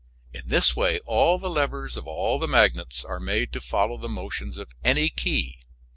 In this way all the levers of all the magnets are made to follow the motions of any key.